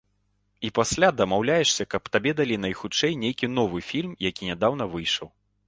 І пасля дамаўляешся, каб табе далі найхутчэй нейкі новы фільм, які нядаўна выйшаў.